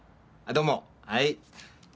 どうもはい。